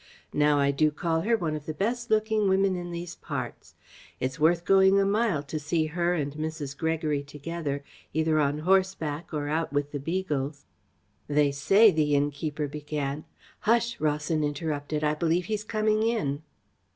Now, I do call her one of the best looking women in these parts. It's worth going a mile to see her and Mrs. Gregory together, either on horseback or out with the beagles." "They say," the innkeeper began "Hush!" Rawson interrupted. "I believe he's coming in."